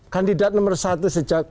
kandidat nomor satu sejak